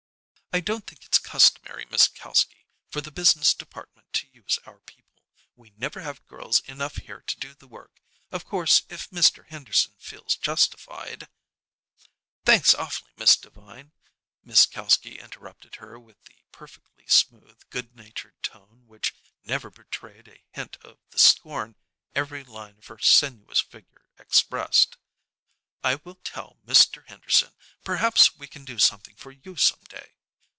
"I don't think it's customary, Miss Kalski, for the business department to use our people. We never have girls enough here to do the work. Of course if Mr. Henderson feels justified " "Thanks awfully, Miss Devine," Miss Kalski interrupted her with the perfectly smooth, good natured tone which never betrayed a hint of the scorn every line of her sinuous figure expressed, "I will tell Mr. Henderson. Perhaps we can do something for you some day."